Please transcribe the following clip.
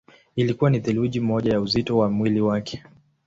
Ilikuwa ni theluthi moja ya uzito wa mwili wake.